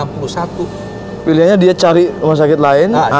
pilihannya dia cari rumah sakit lain